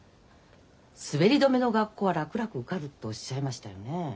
滑り止めの学校は楽々受かるっておっしゃいましたよねえ？